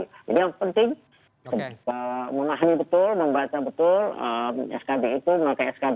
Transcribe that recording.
jadi yang penting mengahami betul membaca betul skb itu mengakai skb